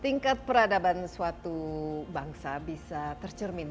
tingkat peradaban suatu bangsa bisa tercermin